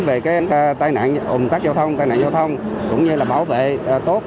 về cái tai nạn ủng tắc giao thông tai nạn giao thông cũng như là bảo vệ tốt